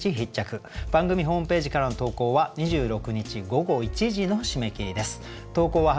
番組ホームページからの投稿は２６日午後１時の締め切りです。